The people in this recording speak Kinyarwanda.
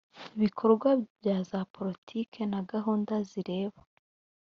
bikorwa bya za politiki na gahunda zireba